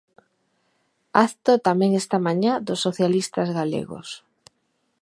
Acto tamén esta mañá dos socialistas galegos.